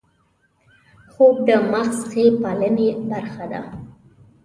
خوب د مغز ښې پالنې برخه ده